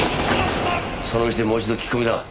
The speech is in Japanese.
その店でもう一度聞き込みだ。